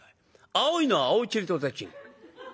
青いのは青ちりとてちん。